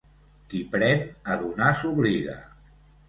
Qui pren, a donar s'obliga.